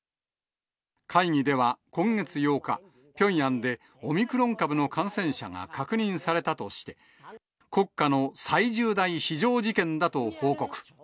会議では今月８日、ピョンヤンでオミクロン株の感染者が確認されたとして、国家の最重大非常事件だと報告。